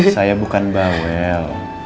saya bukan bawel